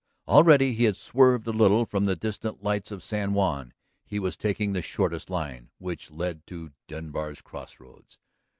Already he had swerved a little from the distant lights of San Juan. He was taking the shortest line which led to Denbar's crossroads.